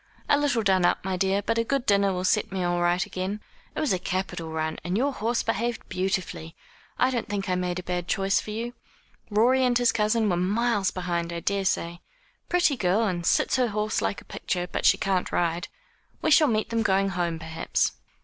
"A little done up, my dear, but a good dinner will set me all right again. It was a capital run, and your horse behaved beautifully. I don't think I made a bad choice for you. Rorie and his cousin were miles behind, I daresay. Pretty girl, and sits her horse like a picture but she can't ride. We shall meet them going home, perhaps."